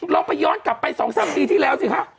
ลองไปย้อนกลับไป๒๓ปีที่แล้วสิคะ